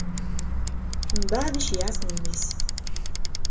Mbeɛd, iceggeɛ-asen mmi-s.